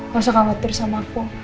gak usah khawatir sama aku